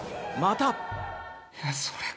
また。